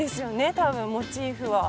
多分モチーフは。